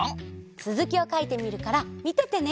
つづきをかいてみるからみててね。